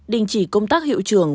đình chỉ công tác hiệu trưởng